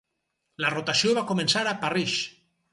La rotació va començar a Parrish.